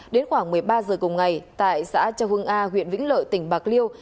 đến khoảng một mươi ba giờ cùng ngày tại xã châu hưng a huyện vĩnh lợi tỉnh bạc liêu